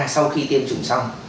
sau khi tiêm chủng xong